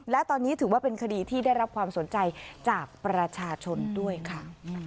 และตอนนี้ถือว่าเป็นคดีที่ได้รับความสนใจจากประชาชนด้วยค่ะ